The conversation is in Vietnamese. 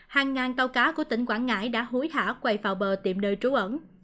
hàng ngàn tàu cá của tỉnh quảng ngãi đã hối thả quay vào bờ tiệm nơi trú ẩn